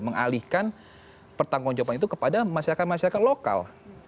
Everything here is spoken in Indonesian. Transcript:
mengalihkan pertanggung jawaban itu kepada masyarakat masyarakat lokal